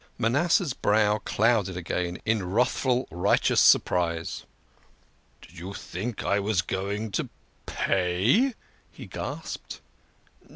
Manasseh's brow clouded again in wrathful righteous sur prise. "Did you think I was going to pay?" he gasped.